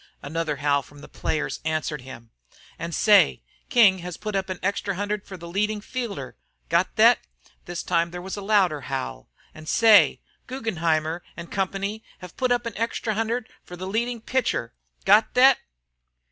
Another howl from the players answered him. "An' say, King has put up an extra hundred for the leadin' fielder. Got thet?" This time there was a louder howl." An' say, Guggenheimer & Co. have put up an extra hundred for the leadin' pitcher. Got thet?"